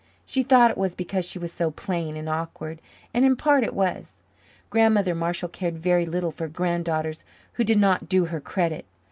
She thought it was because she was so plain and awkward and in part it was. Grandmother Marshall cared very little for granddaughters who did not do her credit.